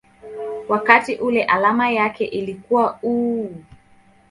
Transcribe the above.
wakati ule alama yake ilikuwa µµ.